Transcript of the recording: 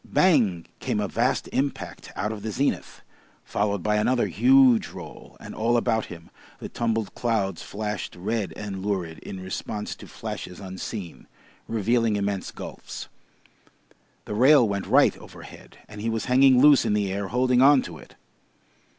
"Bang!" came a vast impact out of the zenith, followed by another huge roll, and all about him the tumbled clouds flashed red and lurid in response to flashes unseen, revealing immense gulfs. The rail went right overhead, and he was hanging loose in the air holding on to it.